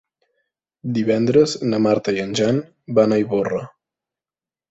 Divendres na Marta i en Jan van a Ivorra.